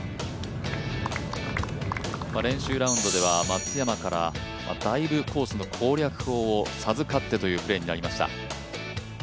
練習ラウンドでは松山からだいぶコースの攻略法を授かってというプレーになりました。